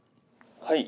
はい。